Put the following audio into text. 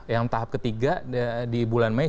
yang tahap ketiga di bulan mei